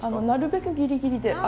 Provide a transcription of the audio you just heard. なるべくギリギリで。